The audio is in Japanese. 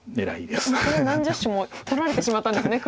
もうこれは何十子も取られてしまったんですね黒。